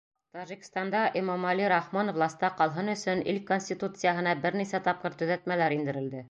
Тажикстанда Эмомали Рахмон власта ҡалһын өсөн ил конституцияһына бер нисә тапҡыр төҙәтмәләр индерелде.